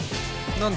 何だ？